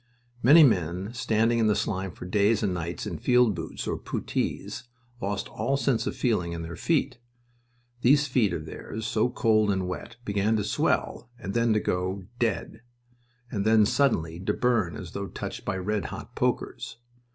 Many men standing in slime for days and nights in field boots or puttees lost all sense of feeling in their feet. These feet of theirs, so cold and wet, began to swell, and then to go "dead," and then suddenly to burn as though touched by red hot pokers.